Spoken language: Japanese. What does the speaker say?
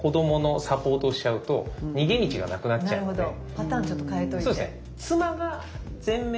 パターンちょっと変えといて。